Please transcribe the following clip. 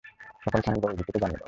সকল থানায় জরুরি ভিত্তিতে জানিয়ে দাও।